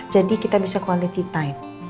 jadi kita bisa quality time